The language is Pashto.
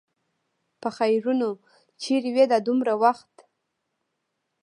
پخيرونو! چېرې وې دا دومره وخت؟